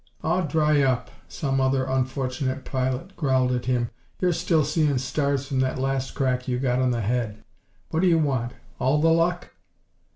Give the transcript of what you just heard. "Aw, dry up!" some other unfortunate pilot growled at him. "You're still seein' stars from that last crack you got on the head. What do you want all the luck?"